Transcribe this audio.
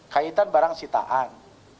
kaitan barang sitaan